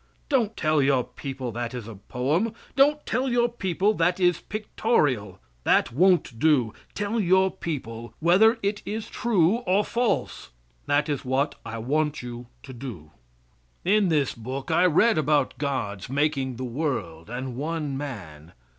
Don't tell your people that is a poem. Don't tell your people that is pictorial. That won't do. Tell your people whether it is true or false. That is what I want you to do. In this book I read about God's making the world and one man.